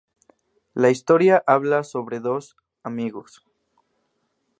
La historia habla sobre dos "amigos".